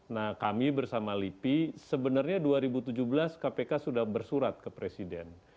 nah kami bersama lipi sebenarnya dua ribu tujuh belas kpk sudah bersurat ke presiden